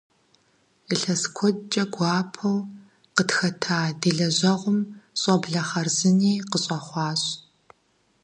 Илъэс куэдкӀэ гуапэу къытхэта ди лэжьэгъум щӀэблэ хъарзыни къыщӀэхъуащ.